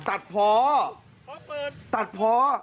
ตัดพอตัดพอ